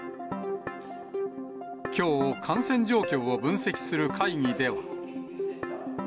きょう、感染状況を分析する会議では。